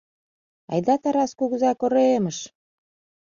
— Айда Тарас кугызай коремыш!